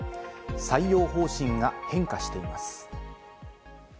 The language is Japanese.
採用方針が変化しています。